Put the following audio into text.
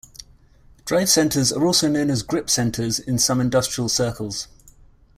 Drive centers are also known as grip centers in some industrial circles.